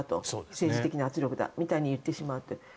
政治的な圧力だみたいに言ってしまって。